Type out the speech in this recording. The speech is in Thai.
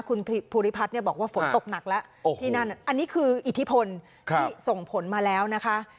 คุณภูริพัฒน์เนี่ยบอกว่าฝนตกหนักแล้วที่นั่นอันนี้คืออิทธิพลที่ส่งผลมาแล้วนะคะ